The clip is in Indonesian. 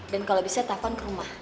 dan kalau bisa telfon ke rumah